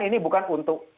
ini bukan untuk